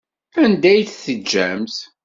Anda ay t-teǧǧamt?